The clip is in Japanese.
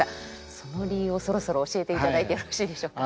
その理由をそろそろ教えていただいてよろしいでしょうか？